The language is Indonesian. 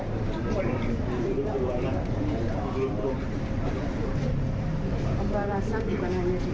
kamu kamu pembalasan saja